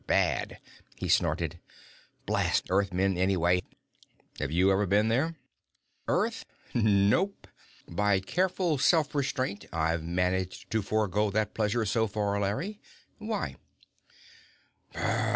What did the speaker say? Bad." He snorted. "Blast Earthmen, anyway! Have you ever been there?" "Earth? Nope. By careful self restraint, I've managed to forego that pleasure so far, Larry. Why?"